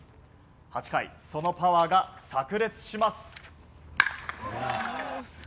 ８回、そのパワーがさく裂します。